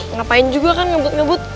ngapain juga kan ngebut ngebut